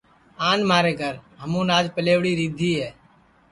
آن مھارے گھر ہمُون آج پلیوڑی ریدھی ہے